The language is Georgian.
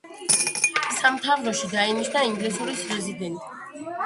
სამთავროში დაინიშნა ინგლისის რეზიდენტი.